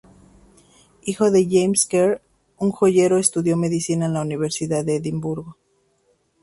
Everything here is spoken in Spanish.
Hijo de James Kerr, un joyero, estudió Medicina en la Universidad de Edimburgo.